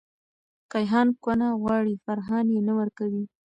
کیهان کونه غواړې.فرحان یی نه ورکوې